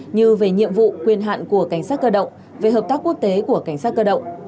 như về nhiệm vụ quyền hạn của cảnh sát cơ động về hợp tác quốc tế của cảnh sát cơ động